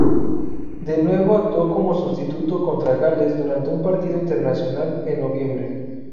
De nuevo actuó como sustituto contra Gales durante un partido internacional en noviembre.